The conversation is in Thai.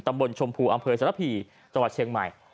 ตำบลชมพูอำเภยศรภีจังหวัดเชียงใหม่